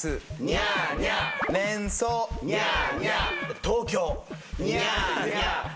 ニャーニャー。